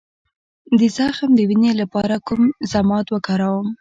د زخم د وینې لپاره کوم ضماد وکاروم؟